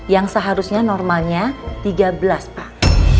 yang seharusnya normalnya tiga belas pak